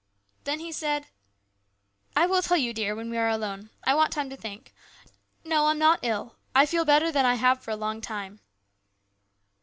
Then he said :" I will tell you, dear, when we are alone. I want time to think. No, I am not ill. I feel better than I have for a long time."